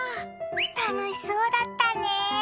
楽しそうだったね。